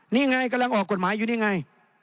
นี่ไงกำลังออกกฎหมายอยู่นี่ไง